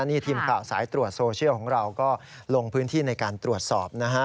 นี่ทีมข่าวสายตรวจโซเชียลของเราก็ลงพื้นที่ในการตรวจสอบนะฮะ